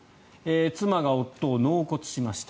妻が夫を納骨しました。